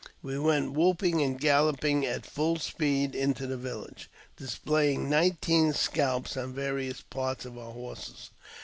We went whooping and galloping at full speed into the village, displaying nineteen scalps on various parts of our horses.